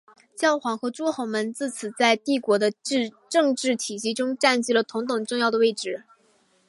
教皇和诸侯们自此在帝国的政治体系中占据了同等重要的位置。